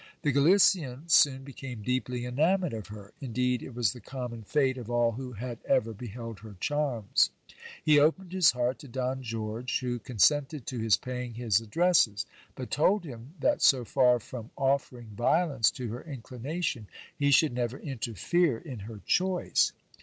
The Galician soon became deeply enamoured of her : indeed, it was the common fate of all who had ever beheld her charms. He opened his heart to Don George, who con HISTORY OF DON GASTON DE COGOLLOS. 323 sented to his paying his addresses, but told him that so far from offering violence to her inclination, he should never interfere in her choice.